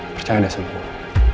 percaya deh semua